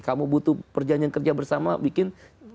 kamu butuh perjanjian kerja bersama bikin